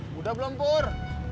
mudah belum pur